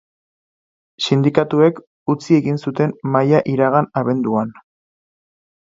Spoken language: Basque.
Sindikatuek utzi egin zuten mahaia iragan abenduan.